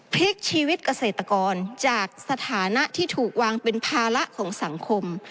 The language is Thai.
พลิกชีวิตเกษตรกรจากสถานะที่ถูกวางเป็นภาระของสังคม